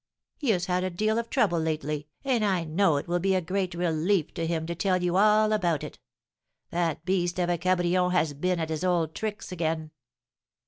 He has had a deal of trouble lately, and I know it will be a great relief to him to tell you all about it. That beast of a Cabrion has been at his old tricks again!"